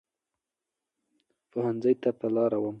پوهنځۍ ته په لاره وم.